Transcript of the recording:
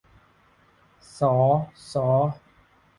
ศอ ษอ